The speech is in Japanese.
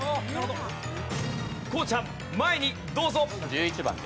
こうちゃん前にどうぞ！